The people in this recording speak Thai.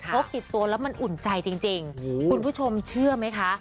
กติดตัวแล้วมันอุ่นใจจริงคุณผู้ชมเชื่อไหมคะ